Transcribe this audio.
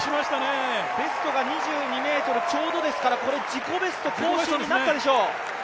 ベストが２２ｍちょうどですからこれ自己ベスト更新になったでしょう。